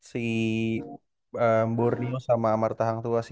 si borneo sama amar tahang tuh pasti